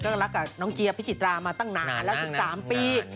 ก็รักกับน้องเจี๊ยพิจิตรามาตั้งนานแล้วถึง๓ปี